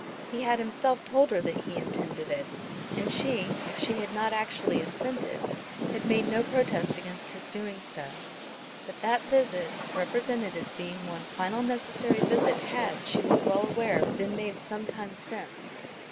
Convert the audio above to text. He had himself told her that he intended it; and she, if she had not actually assented, had made no protest against his doing so. But that visit, represented as being one final necessary visit, had, she was well aware, been made some time since.